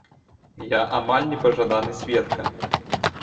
Я амаль непажаданы сведка.